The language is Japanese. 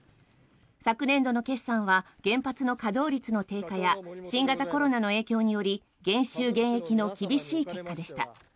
昨年度の決算は原発の稼働率の低下や新型コロナの影響により減収減益の厳しい結果でした。